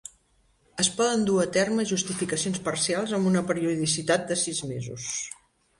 Es poden dur a terme justificacions parcials amb una periodicitat de sis mesos.